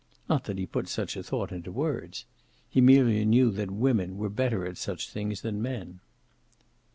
Not that he put such a thought into words. He merely knew that women were better at such things than men.